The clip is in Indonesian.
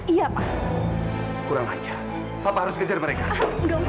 zaira kamu harus selamat